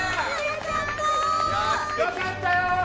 よかったよ！